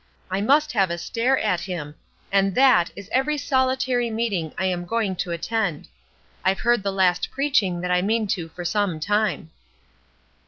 I must have a stare at him and that is every solitary meeting I am going to attend. I've heard the last preaching that I mean to for some time."